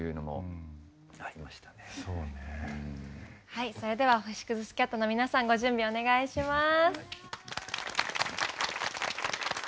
はいそれでは星屑スキャットの皆さんご準備お願いします。